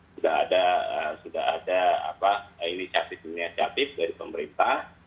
sudah ada sudah ada apa inisiatif inisiatif dari pemerintah